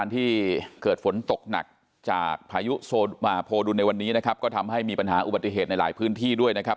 ที่เกิดฝนตกหนักจากพายุโพดุลในวันนี้นะครับก็ทำให้มีปัญหาอุบัติเหตุในหลายพื้นที่ด้วยนะครับ